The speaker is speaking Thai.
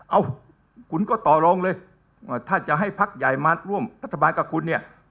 เอ้าคุณก็ต่อรองเลยว่าถ้าจะให้พักใหญ่มาร่วมรัฐบาลกับคุณเนี่ย